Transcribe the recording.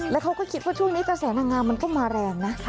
แล้วเขาก็คิดว่าช่วงนี้กระแสนางงามมันก็มาแรงนะ